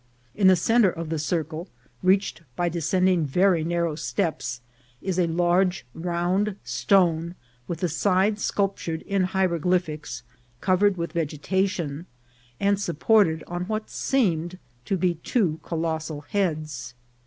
In the centre of the circle, reached by descending very narrow steps, is a large round stone, with the sides sculptured in hieroglyphics, covered with vegetation, and supported on what seemed to be two colossal heads.